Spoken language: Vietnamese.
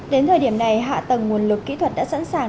đến thời điểm này hạ tầng nguồn lực kỹ thuật đã sẵn sàng